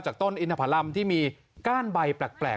จากต้นอินทธพรรมที่มีก้านใบแปลกครุ่งผู้ชมอ่ะ